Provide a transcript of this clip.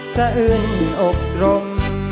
สะอืนอกรม